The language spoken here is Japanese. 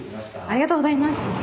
ありがとうございます。